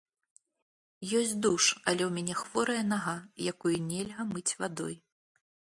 Ёсць душ, але ў мяне хворая нага, якую нельга мыць вадой.